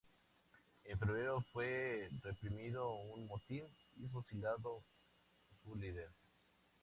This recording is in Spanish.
En febrero fue reprimido un motín y fusilado su líder.